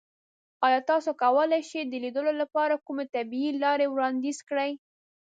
ایا تاسو کولی شئ د لیدو لپاره کومې طبیعي لارې وړاندیز کړئ؟